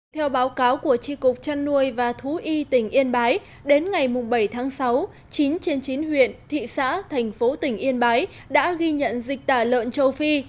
theo báo cáo của tri cục trăn nuôi và thú y tỉnh yên bái đến ngày bảy tháng sáu chín trên chín huyện thị xã thành phố tỉnh yên bái đã ghi nhận dịch tả lợn châu phi